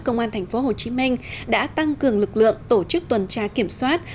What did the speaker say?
công an tp hcm đã tăng cường lực lượng tổ chức tuần tra kiểm soát